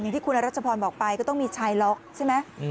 ที่คุณรัชพรบอกไปก็ต้องมีชายล็อกใช่ไหม